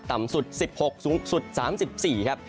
ต่ำสุด๑๖สูงสุด๓๔ครับ